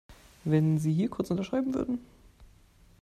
Wenn Sie hier kurz unterschreiben würden.